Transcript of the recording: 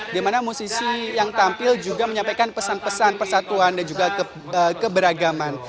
dimana musisi yang tampil juga menyampaikan pesan pesan persatuan dan juga keberagaman